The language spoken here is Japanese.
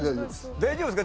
大丈夫ですか？